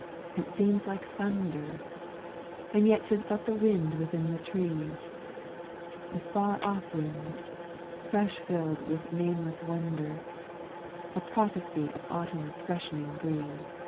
it seems like thunder, And yet 'tis but the wind, within the trees, The far off wind, fresh filled with nameless wonder, A prophesy of Autumn's freshening breeze.